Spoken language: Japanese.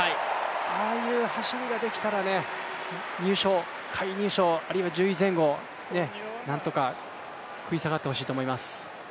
ああいう走りができたら入賞、下位入賞、あるいは１０位前後、何とか食い下がってほしいと思います。